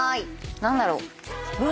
何だろう？わ！